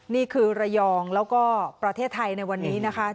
นี่คือระยองแล้วก็ประเทศไทยในวันนี้นะคะ